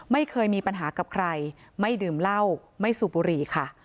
ไม่เคยมีปัญหากับใครไม่ดื่มเหล้าไม่สูบบุหรี่ค่ะ